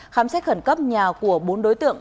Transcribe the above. khám xét khẩn cấp nhà của bốn đối tượng